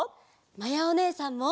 まやおねえさんも！